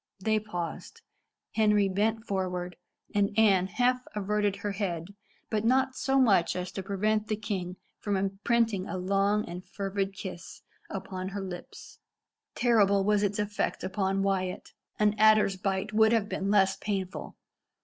They paused. Henry bent forward, and Anne half averted her head, but not so much so as to prevent the king from imprinting a long and fervid kiss upon her lips. Terrible was its effect upon Wyat. An adder's bite would have been less painful.